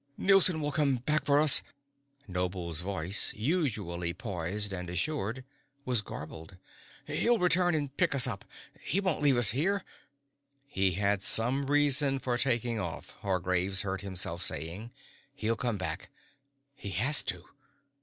"Nielson will come back for us." Noble's voice, usually poised and assured, was garbled. "He'll return and pick us up. He won't leave us here." "He had some reason for taking off," Hargraves heard himself saying. "He'll come back. He has to."